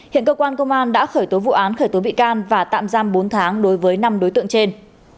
hiện cơ quan công an đã khởi tố vụ án khởi tố bị can và tạm giam bốn tháng đối với năm đối tượng trên